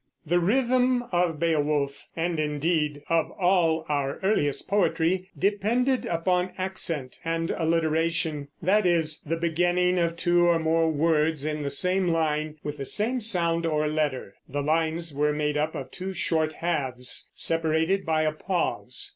The rhythm of Beowulf and indeed of all our earliest poetry depended upon accent and alliteration; that is, the beginning of two or more words in the same line with the same sound or letter. The lines were made up of two short halves, separated by a pause.